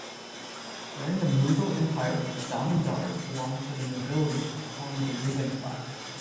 During the Mughal Empire, zamindars belonged to the nobility and formed the ruling class.